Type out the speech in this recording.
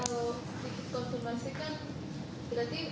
kalau konfirmasi kan berarti